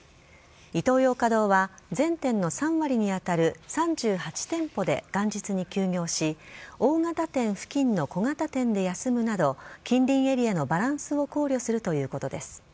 イトーヨーカドーは全店の３割に当たる３８店舗で元日に休業し大型店付近の小型店で休むなど近隣エリアのバランスを考慮するということです。